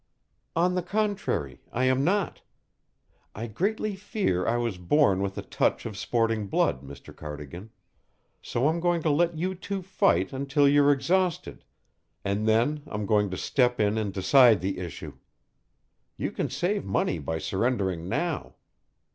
"On the contrary, I am not. I greatly fear I was born with a touch of sporting blood, Mr. Cardigan, so I'm going to let you two fight until you're exhausted, and then I'm going to step in and decide the issue. You can save money by surrendering now.